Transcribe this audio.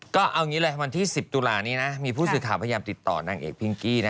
ก็เอางี้เลยวันที่๑๐ตุลานี้นะมีผู้สื่อข่าวพยายามติดต่อนางเอกพิงกี้นะ